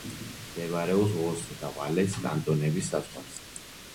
მდებარეობს ვოს და ვალეს კანტონების საზღვარზე.